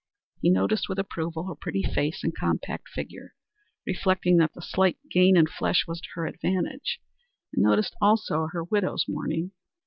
He noticed with approval her pretty face and compact figure, reflecting that the slight gain in flesh was to her advantage, and noticed also her widow's mourning.